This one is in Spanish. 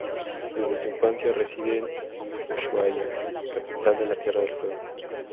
Desde su infancia reside en Ushuaia, capital de Tierra del Fuego.